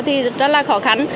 thì rất là khó khăn